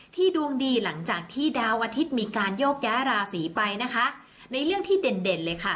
ดวงดีหลังจากที่ดาวอาทิตย์มีการโยกย้ายราศีไปนะคะในเรื่องที่เด่นเด่นเลยค่ะ